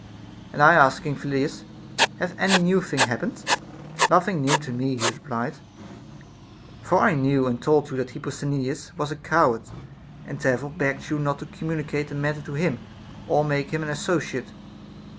And I asking, Phyllidas, hath any new thing hap pened \— Nothing new to me, he replied, for I knew and told you that Hipposthenides was a coward, and there fore begged you not to communicate the matter to him or 400 A DISCOURSE CONCERNING make him an associate.